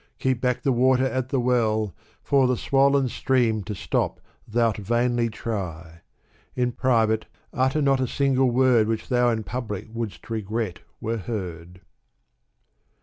keep back the water at the well, For the swollen stream to stop thou*lt vainly try. In private, utter not a single word Which thou in public wouldst regret were heard.